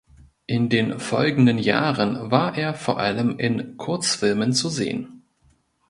In den folgenden Jahren war er vor allem in Kurzfilmen zu sehen.